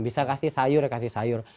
bisa kasih sayur kasih sayur